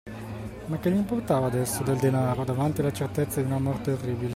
Ma che gli importava adesso del denaro, davanti alla certezza di una morte orribile?